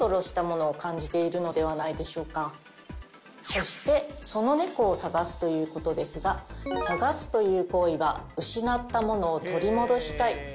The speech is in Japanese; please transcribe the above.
そしてその猫を探すということですが探すという行為は。という願いが表れています。